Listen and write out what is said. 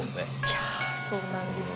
いやそうなんです。